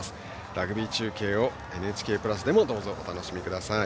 ラグビー中継を「ＮＨＫプラス」でもお楽しみください。